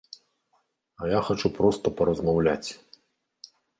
А я хачу проста паразмаўляць!